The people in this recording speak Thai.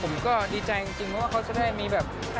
ผมก็ดีใจจริงเพราะว่าเขาจะได้มีแบบ